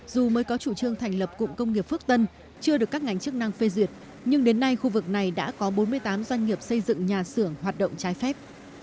dù mới có chủ trương thành lập cụm công nghiệp phước tân chưa được các ngành chức năng phê duyệt nhưng đến nay khu vực này đã có bốn mươi tám doanh nghiệp xây dựng nhà xưởng hoạt động trái phép